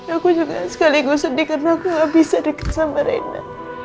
aku juga sekali sedih karena aku gak bisa deket sama rena